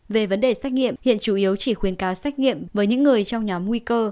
về vấn đề xét nghiệm hiện chủ yếu chỉ khuyến cáo xét nghiệm với những người trong nhóm nguy cơ